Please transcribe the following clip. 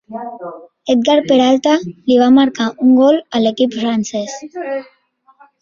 Edgar Peralta li va marcar un gol a l'equip francès.